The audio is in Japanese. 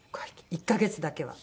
１カ月だけは。